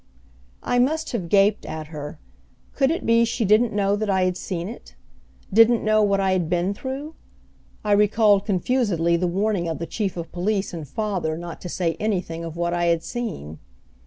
I must have gaped at her. Could it be she didn't know that I had seen it? Didn't know what I had been through? I recalled confusedly the warning of the Chief of Police and father not to say anything of what I had seen.